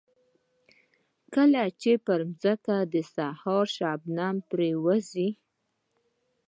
کله چې پر ځمکه د سهار شبنم پرېوځي.